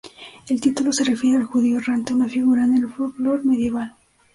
El título se refiere al judío errante, una figura en el folklore medieval.